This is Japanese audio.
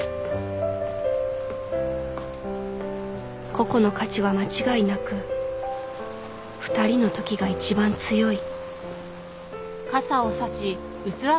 個々の価値は間違いなく２人のときが一番強い